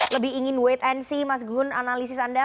lebih ingin wait and see mas gun analisis anda